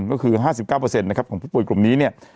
ก็คือห้าสิบเก้าเปอร์เซ็นต์นะครับของผู้ป่วยกลุ่มนี้เนี้ย